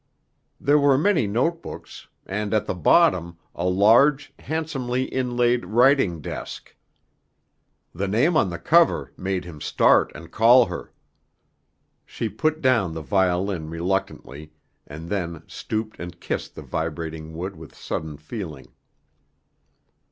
There were many note books, and at the bottom a large, handsomely inlaid writing desk. The name on the cover made him start and call her. She put down the violin reluctantly, and then stooped and kissed the vibrating wood with sudden feeling.